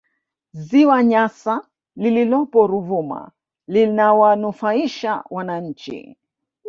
ziwa nyasa lililopo ruvuma linawanufaisha wananchi